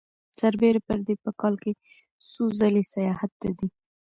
سربېره پر دې په کال کې څو ځلې سیاحت ته ځي